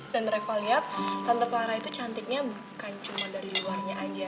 reva lihat tante fara itu cantiknya bukan cuma dari luarnya aja